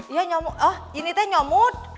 ya nyomut oh ini tuh nyomut